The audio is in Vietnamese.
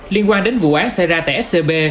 liên quan đến vụ án xảy ra tại scb